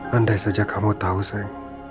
andai saja kamu tau sayang